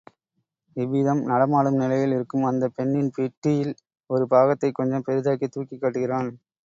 இவ்விதம் நடமாடும் நிலையில் இருக்கும் அந்தப் பெண்ணின் பிட்டியில் ஒரு பாகத்தைக் கொஞ்சம் பெரிதாக்கி தூக்கிக் காட்டுகிறான்.